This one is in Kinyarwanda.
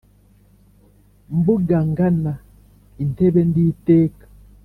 Mbunga ngana intebe nditeka,